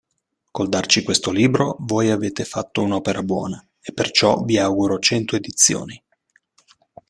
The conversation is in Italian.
Col darci questo libro voi avete fatto un'opera buona e perciò vi auguro cento edizioni.